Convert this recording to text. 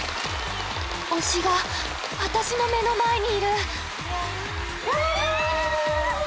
推しが私の目の前にいる！